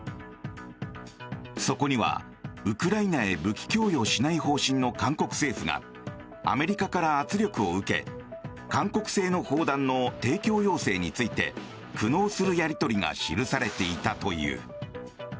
そこにはウクライナへ武器供与しない方針の韓国政府がアメリカから圧力を受け韓国製の砲弾の提供要請について苦悩するやり取りが示されていたという。